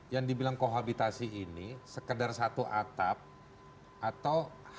yang dibilang kohabitasi ini sekedar satu atap atau